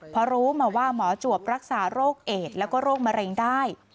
พอรู้มาว่าหมอจวบรักษาโรคเอดแล้วก็โรคมะเร็งได้